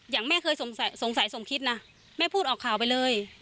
อย่างแม่เคยสงสัยสมคิดนะแม่พูดออกข่าวไปเลย